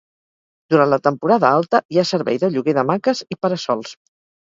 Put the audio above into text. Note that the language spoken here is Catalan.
Durant la temporada alta hi ha servei de lloguer d'hamaques i para-sols.